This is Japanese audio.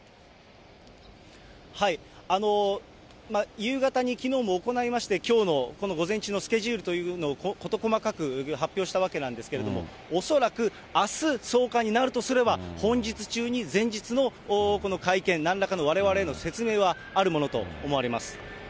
夕方にきのうも行いまして、きょうのこの午前中のスケジュールというのを事細かく発表したわけなんですけれども、恐らくあす送還になるとすれば、本日中に前日の会見、なんらかのわれわれへの説明はあるものと思われます。